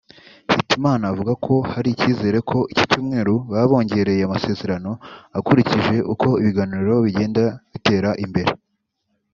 Hitimana avuga ko hari icyizere ko iki cyumweru baba bongereye amasezerano akurikije uko ibiganiro bigenda bitera imbere